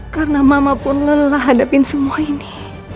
karena mama pun lelah hadapin semua ini